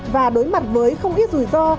và đối mặt với không ít rủi ro